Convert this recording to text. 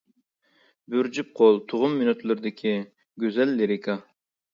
بىر جۈپ قول تۇغۇم مىنۇتلىرىدىكى گۈزەل لىرىكا.